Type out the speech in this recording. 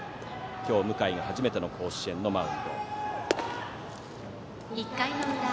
今日、向井が初めての甲子園のマウンド。